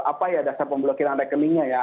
apa ya dasar pemblokiran rekeningnya ya